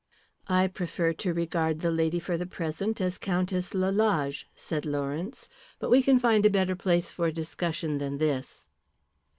"I prefer to regard the lady for the present as Countess Lalage," said Lawrence. "But we can find a better place for discussion than this."